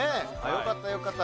よかったよかった。